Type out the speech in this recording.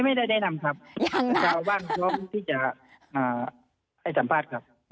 ไม่ได้แนะนำครับชาวบ้านพร้อมที่จะให้สัมภาษณ์ครับ